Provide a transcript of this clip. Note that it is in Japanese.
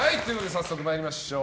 早速参りましょう。